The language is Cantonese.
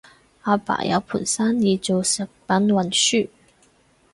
阿爸有盤生意做食品運輸